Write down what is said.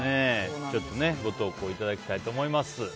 ご投稿いただきたいと思います。